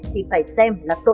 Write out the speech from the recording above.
thì phải xem là tốt không